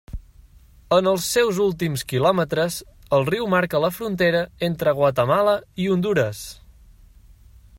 En els seus últims quilòmetres el riu marca la frontera entre Guatemala i Hondures.